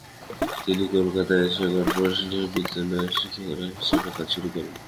তিনি কলকাতায় এসে কর্পোরেশন বিদ্যালয়ে শিক্ষিকার হিসেবে কাজ শুরু করেন।